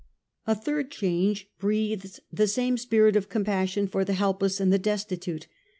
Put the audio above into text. A third change breathes the same spirit of compassion for the helpless and the destitute.